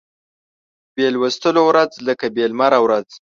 بې لوستلو ورځ لکه بې لمره ورځ